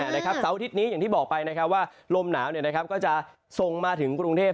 เสาร์อาทิตย์นี้อย่างที่บอกไปว่าลมหนาวก็จะส่งมาถึงกรุงเทพ